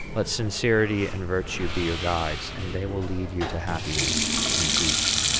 Let sincerity and virtue be your guides, and they will lead you to happiness and peace."